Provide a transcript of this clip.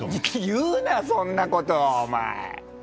言うな、そんなことお前！